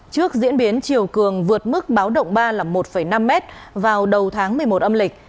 trước diễn biến chiều cường vượt mức báo động ba là một năm m vào đầu tháng một mươi một âm lịch